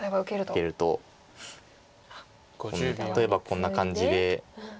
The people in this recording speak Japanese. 受けると例えばこんな感じで。